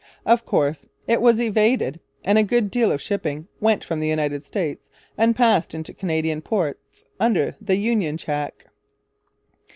Of course it was evaded; and a good deal of shipping went from the United States and passed into Canadian ports under the Union Jack.